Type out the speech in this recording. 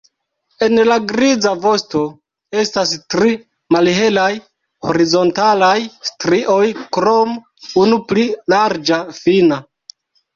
En la griza vosto estas tri malhelaj horizontalaj strioj krom unu pli larĝa fina.